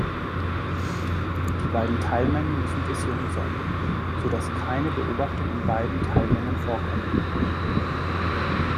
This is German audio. Die beiden Teilmengen müssen disjunkt sein, sodass keine Beobachtung in beiden Teilmengen vorkommen.